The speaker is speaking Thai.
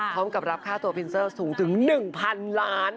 พร้อมกับรับค่้าตัวภาษณ์พรีเซียสูงถึง๑๐๐๐ล้าน